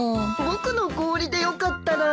僕の氷でよかったら。